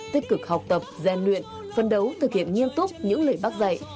tích cực học tập gian luyện phân đấu thực hiện nghiêm túc những lời bác dạy